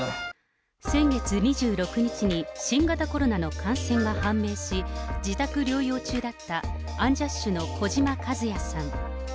先月２６日に、新型コロナの感染が判明し、自宅療養中だったアンジャッシュの児嶋一哉さん。